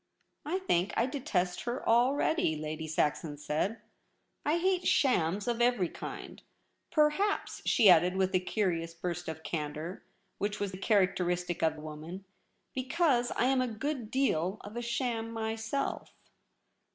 ' I think I detest her already,' Lady Saxon said. ' I hate shams of every kind. Perhaps,' she added with a curious burst of candour, which was characteristic of the woman, ' be cause I'm a good deal of a sham myself.'